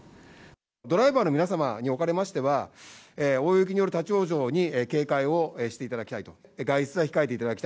ドライバーの皆様におかれましては、大雪による立往生に警戒をしていただきたいと。